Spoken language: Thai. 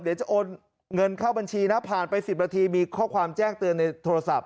เดี๋ยวจะโอนเงินเข้าบัญชีนะผ่านไป๑๐นาทีมีข้อความแจ้งเตือนในโทรศัพท์